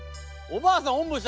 おばあさん